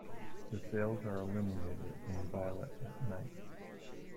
The Sails are illuminated in violet at night.